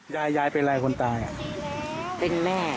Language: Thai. หรือเขาบอกว่าไง